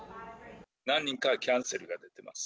何人かはキャンセルになってます。